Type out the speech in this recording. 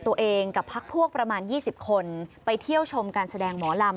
ตัวเองกับพักพวกประมาณ๒๐คนไปเที่ยวชมการแสดงหมอลำ